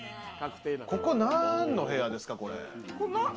何の部屋ですか？